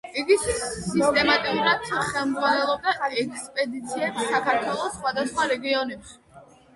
იგი სისტემატიურად ხელმძღვანელობდა ექსპედიციებს საქართველოს სახვადასხვა რეგიონებში.